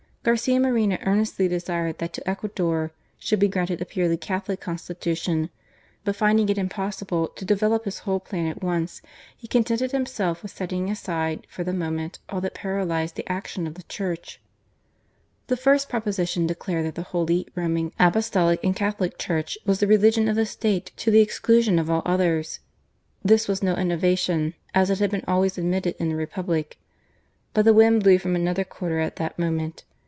Garcia Moreno earnestly desired that to Ecuador should be granted a purely Catholic Con stitution, but finding it impossible to develope his whole plan at once, he contented himself with setting aside, for the moment, all that paralyzed the action of the Church. The first proposition declared that the Holy GARCIA MORENO PRESIDENT. 107 Roman, Apostolic, and Catholic Church was the religion of the State to the exclusion of all others. This was no innovation, as it had been always admitted in the Republic. But the wind blew from another quarter at that moment.